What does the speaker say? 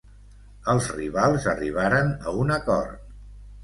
Els rivals arribaren a un acord.